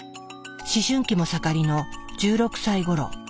思春期も盛りの１６歳ごろ。